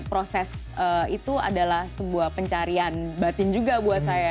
proses itu adalah sebuah pencarian batin juga buat saya